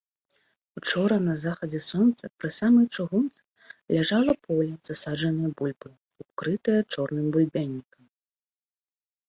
Учора на захадзе сонца пры самай чыгунцы ляжала поле, засаджанае бульбаю, укрытае чорным бульбянікам.